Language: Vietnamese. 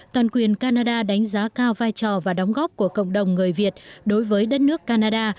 toàn quyền canada đánh giá cao vai trò và đóng góp của cộng đồng người việt đối với đất nước canada